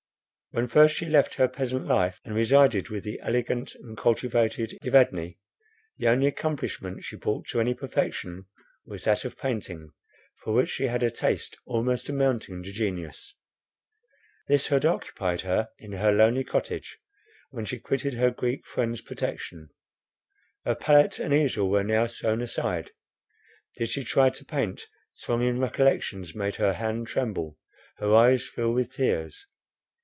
When first she left her peasant life, and resided with the elegant and cultivated Evadne, the only accomplishment she brought to any perfection was that of painting, for which she had a taste almost amounting to genius. This had occupied her in her lonely cottage, when she quitted her Greek friend's protection. Her pallet and easel were now thrown aside; did she try to paint, thronging recollections made her hand tremble, her eyes fill with tears.